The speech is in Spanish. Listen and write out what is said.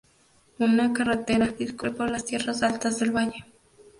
Una carretera discurre por las tierras altas del valle.